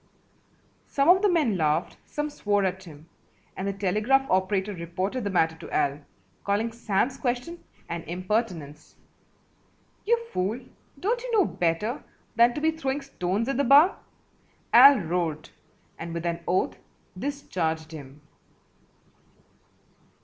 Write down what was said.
Some of the men laughed, some swore at him, and the telegraph operator reported the matter to Al, calling Sam's question an impertinence. "You fool, don't you know better than to be throwing stones at the bar?" Al roared, and with an oath discharged him.